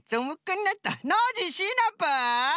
ノージーシナプー？